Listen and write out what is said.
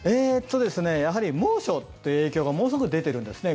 やはり猛暑という影響がものすごく出てるんですね